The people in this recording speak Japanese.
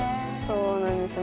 そうなんですよ。